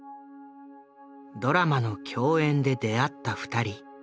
ドラマの共演で出会った２人。